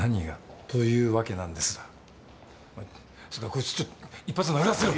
こいつちょっと１発殴らせろ。